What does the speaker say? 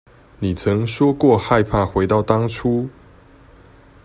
你曾說過害怕回到當初